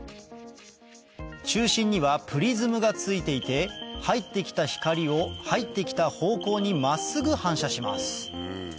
中心にはプリズムが付いていて入ってきた光を入ってきた方向に真っすぐ反射します